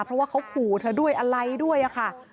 เพราะว่าเขาขู่เธอด้วยอะไรด้วยค่ะ